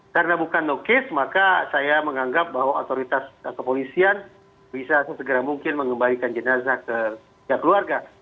karena bukan no case maka saya menganggap bahwa otoritas dan kepolisian bisa sesegera mungkin mengembalikan jenazah ke pihak keluarga